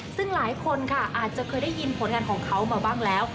ซึ่งหลายคนค่ะอาจจะเคยได้ยินผลงานของเขามาบ้างแล้ว